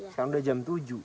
sekarang udah jam tujuh